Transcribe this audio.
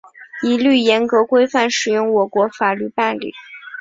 一律严格、规范适用我国法律办理